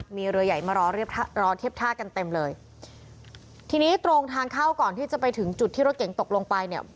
มีเรือใหญ่มารอเรียบท่ารอเทียบท่ากันเต็มเลยทีนี้ตรงทางเข้าก่อนที่จะไปถึงจุดที่รถเก๋งตกลงไปเนี่ย